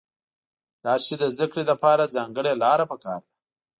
د هر شي د زده کړې له پاره ځانګړې لاره په کار ده.